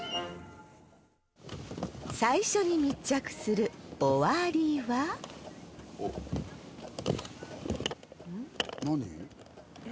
最初に密着する終わりは何？